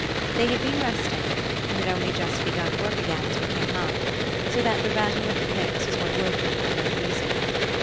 They had been resting, and had only just begun work again as we came up; so that the rattle of the picks was what woke me from my musing.